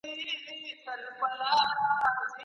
کله آس، کله لېوه ، کله زمری وو